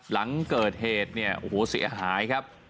หลังเกิดเหตุเนี่ยโอ้โหเสียหายครับ